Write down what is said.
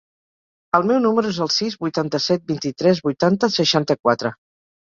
El meu número es el sis, vuitanta-set, vint-i-tres, vuitanta, seixanta-quatre.